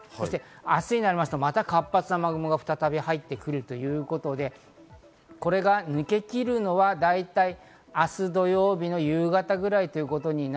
明日になりますと、また活発な雨雲が再び入ってくるということで、これが抜け切るのは、だいたい明日土曜日の夕方ぐらい。